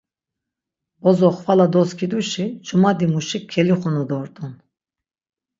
Bozo xvala doskiduşi cumadimuşik kelixunu dort̆un.